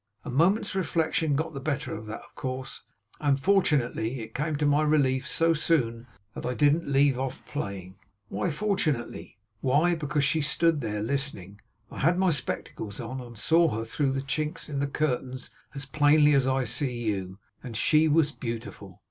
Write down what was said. A moment's reflection got the better of that, of course, and fortunately it came to my relief so soon, that I didn't leave off playing.' 'Why fortunately?' 'Why? Because she stood there, listening. I had my spectacles on, and saw her through the chinks in the curtains as plainly as I see you; and she was beautiful.